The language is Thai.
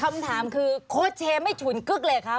คำถามคือโค้ดเชมไม่ฉุนกึ๊กเลยคะ